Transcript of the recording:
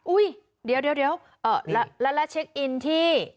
อุ๊ยเดี๋ยวแล้วเช็คอินที่